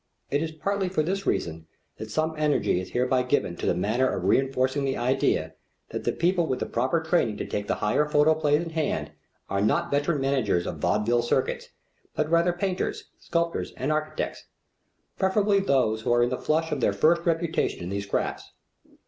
It is partly for this reason that some energy is hereby given to the matter of reënforcing the idea that the people with the proper training to take the higher photoplays in hand are not veteran managers of vaudeville circuits, but rather painters, sculptors, and architects, preferably those who are in the flush of their first reputation in these crafts.